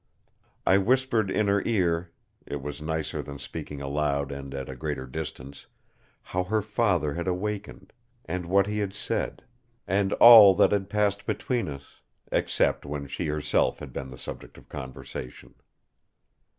I whispered in her ear—it was nicer than speaking aloud and at a greater distance—how her father had awakened, and what he had said; and all that had passed between us, except when she herself had been the subject of conversation.